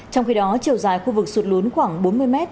trong khi đó chiều dài khu vực sụt lún khoảng bốn mươi m